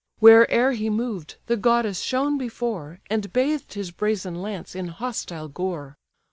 Where'er he moved, the goddess shone before, And bathed his brazen lance in hostile gore.